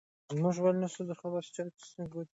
ملالۍ نومېده.